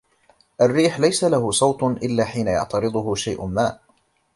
الريح ليس له صوت إلا حين يعترضه شيء ما.